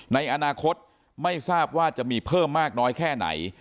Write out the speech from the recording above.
ในอนาคตไม่ทราบว่าจะมีเพิ่มมากน้อยแค่ไหน